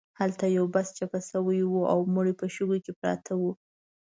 هلته یو بس چپه شوی و او مړي په شګو کې پراته وو.